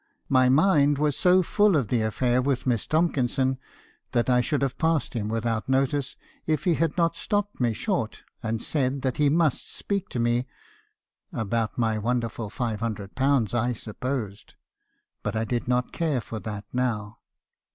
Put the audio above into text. My mind was so full of the affair with Miss Tomkinson, that I should have passed him without notice, if he had not stopped me short, and said that he must speak to me ; about my wonderful five hundred pounds , I supposed. But I did not care for that now.